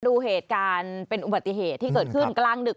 ดูเหตุการณ์เป็นอุบัติเหตุที่เกิดขึ้นกลางดึก